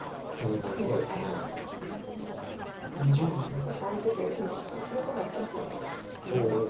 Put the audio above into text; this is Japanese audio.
少し相手と今ちょっと記録係ちらっと見ましたか蘇九段。